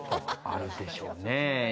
あるでしょうね。